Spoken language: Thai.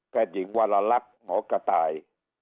หญิงวรลักษณ์หมอกระต่าย